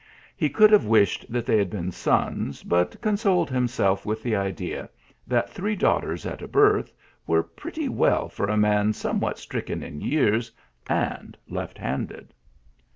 He could have wished they had been sons, but consoled himself with the idea that three daughters at a birth, were pretty well for a man somewhat stricken in years, and left handed.